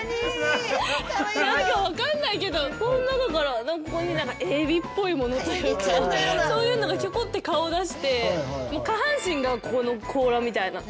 この中から何かこういうふうにエビっぽいものというかそういうのがひょこって顔を出して下半身がここの甲羅みたいな。